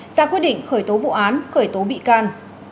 ra quyết định khởi tố vụ án khởi tố bị can